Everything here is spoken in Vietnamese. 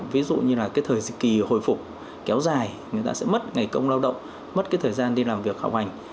ví dụ như là cái thời kỳ hồi phục kéo dài người ta sẽ mất ngày công lao động mất cái thời gian đi làm việc học hành